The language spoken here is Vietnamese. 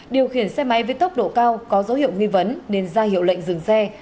điều khiển xe máy với tốc độ cao có dấu hiệu nghi vấn nên ra hiệu lệnh dừng xe